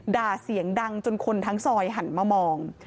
ด่าเสียงดังจนคนทั้งซอยหันมามอง